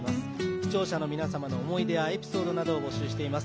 視聴者の皆様の思い出やエピソードを募集しています。